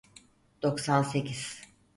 Doksan sekiz.